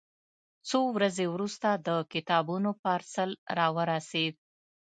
څو ورځې وروسته د کتابونو پارسل راورسېد.